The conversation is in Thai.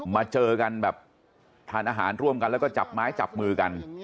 มาเจอกันแบบทานอาหารร่วมกันแล้วก็จับไม้จับมือกัน